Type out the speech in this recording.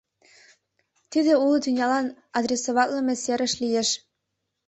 Тиде уло тӱнялан адресоватлыме серыш лиеш.